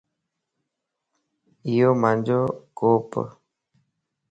ايو مانجو ڪوپ